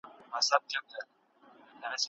د هغې د کښېناستو سټایل یو ډول سوله وه.